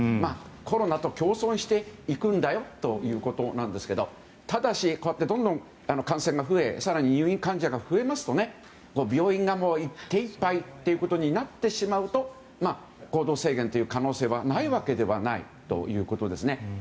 コロナと共存していくんだよということなんですけれどもただし、どんどん感染が増え更に入院患者が増えて病院が手いっぱいということになってしまうと行動制限という可能性はないわけではないということですね。